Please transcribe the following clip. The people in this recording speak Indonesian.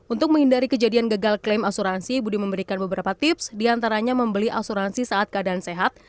untuk menghindari kejadian gagal klaim asuransi budi memberikan beberapa tips diantaranya membeli asuransi saat keadaan sehat